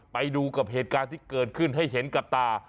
ไปดูกับเหตุการณ์ที่เกิดขึ้นให้เห็นกับตา